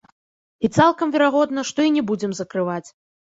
І цалкам верагодна, што і не будзем закрываць.